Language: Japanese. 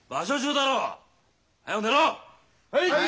はい！